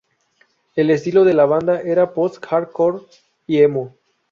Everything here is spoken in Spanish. El estilo de la banda era post hardcore y emo.